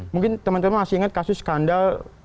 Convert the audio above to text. mungkin teman teman masih ingat kasus skandal